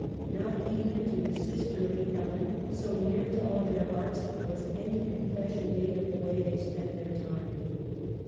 Not even to the sisterly Ellen, so near to all their hearts, was any con fession made of the way they spent their time.